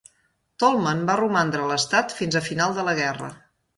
Tallman va romandre a l'estat fins al final de la guerra.